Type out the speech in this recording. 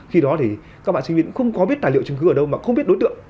khi đó thì các bạn sinh viên cũng không có biết tài liệu chứng cứ ở đâu mà không biết đối tượng